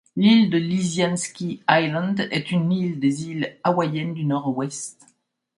L'île de Lisianski Island est une île des îles hawaïennes du Nord-Ouest.